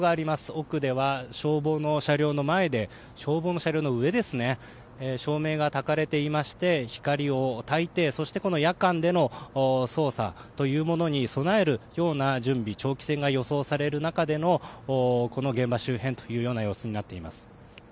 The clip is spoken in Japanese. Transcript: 奥では、消防の車両の上で照明がたかれていまして光をたいてそして夜間での捜査というものに備えるような準備長期戦が予想される中でのこの現場周辺となっています。